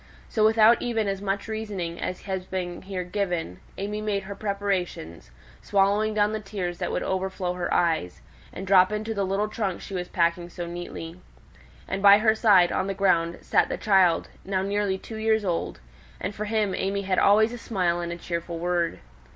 So, without even as much reasoning as has been here given, AimÄe made her preparations, swallowing down the tears that would overflow her eyes, and drop into the little trunk she was packing so neatly. And by her side, on the ground, sate the child, now nearly two years old; and for him AimÄe had always a smile and a cheerful word.